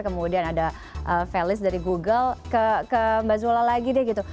kemudian ada felis dari google ke mbak zola lagi deh gitu